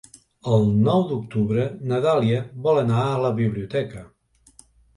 El nou d'octubre na Dàlia vol anar a la biblioteca.